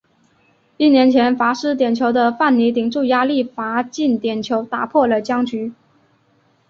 一年前罚失点球的范尼顶住压力罚进点球打破了僵局。